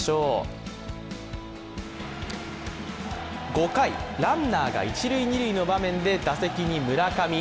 ５回、ランナーが一・二塁の場面で村上。